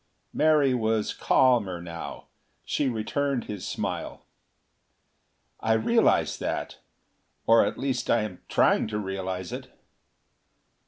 Mary was calmer now. She returned his smile. "I realize that; or at least I am trying to realize it."